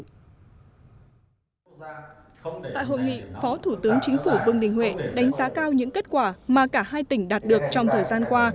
tại hội nghị phó thủ tướng chính phủ vương đình huệ đánh giá cao những kết quả mà cả hai tỉnh đạt được trong thời gian qua